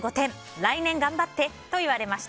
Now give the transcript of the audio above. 来年、頑張ってと言われました。